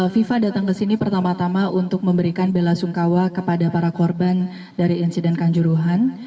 fifa datang ke sini pertama tama untuk memberikan bela sungkawa kepada para korban dari insiden kanjuruhan